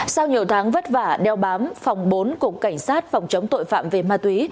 sau nhiều tháng vất vả đeo bám phòng bốn cục cảnh sát phòng chống tội phạm về ma túy